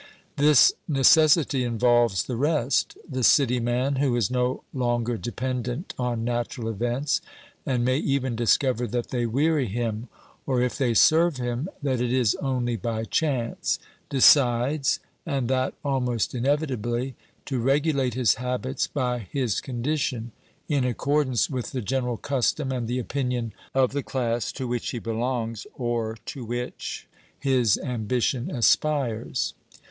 This necessity involves the rest ; the city man, who is no longer dependent on natural events, and may even discover that they weary him — or if they serve him, that it is only by chance — decides, and that almost inevitably, to regulate his habits by his condition, in accordance with the general custom and the opinion of the class to which he belongs, or to which his ambition aspires.